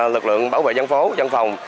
lực lượng bảo vệ dân phố dân phòng